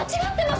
違う！